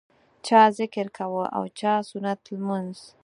چا ذکر کاوه او چا سنت لمونځ.